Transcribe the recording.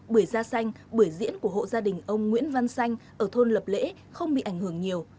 bưởi da xanh bưởi diễn của hộ gia đình ông nguyễn văn xanh ở thôn lập lễ không bị ảnh hưởng nhiều